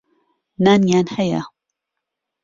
نانیان هەیە.